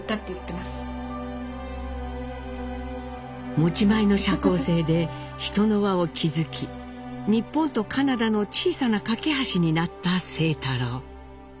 持ち前の社交性で人の輪を築き日本とカナダの小さな懸け橋になった清太郎。